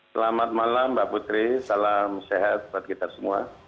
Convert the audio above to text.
selamat malam mbak putri salam sehat buat kita semua